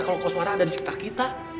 kalau ke suara ada di sekitar kita